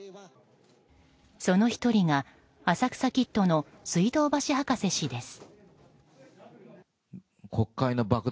その１人が浅草キッドの水道橋博士氏です。